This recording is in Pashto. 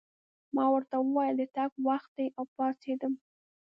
ما ورته وویل: د تګ وخت دی، او پاڅېدم.